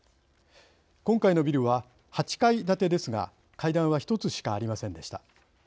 今回のビルは８階建てですが階段は１つしかありませんでした。